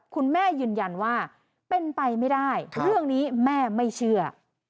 คุณแม่ยืนยันว่าเป็นไปไม่ได้เรื่องนี้แม่ไม่เชื่อ